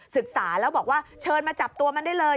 ศึกษาแล้วบอกว่าเชิญมาจับตัวมันได้เลย